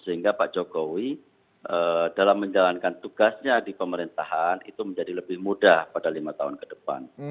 sehingga pak jokowi dalam menjalankan tugasnya di pemerintahan itu menjadi lebih mudah pada lima tahun ke depan